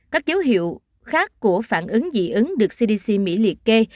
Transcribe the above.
các dấu hiệu khác của phản ứng dị ứng được cdc mỹ liệt kê